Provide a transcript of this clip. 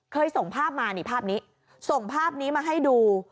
ส่งภาพมานี่ภาพนี้ส่งภาพนี้มาให้ดู